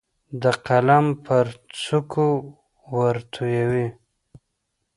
د قلم پر څوکو ورتویوي